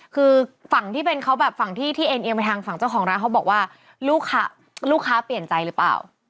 คือฝั่งที่เป็นเขาแบบฝั่งที่ที่เอ็นเอียงไปทางฝั่งเจ้าของร้านเขาบอกว่าลูกค้าเปลี่ยนใจหรือเปล่า